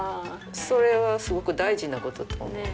それはすごく大事なことと思う。